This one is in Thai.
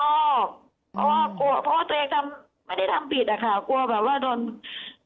เพราะว่ากลัวเพราะว่าตัวเองไม่ได้ทำผิดอะค่ะกลัวแบบว่าโดนจับไอ้ครั้งอะไรอย่างนี้ค่ะ